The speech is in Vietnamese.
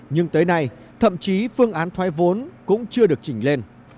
nhưng tới nay thậm chí phương án thoái vốn cũng chưa được chỉnh lên